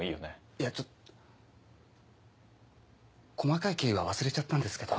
いやちょっと細かい経緯は忘れちゃったんですけど。